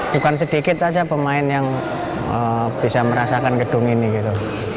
bukan sedikit saja pemain yang bisa merasakan gedung ini gitu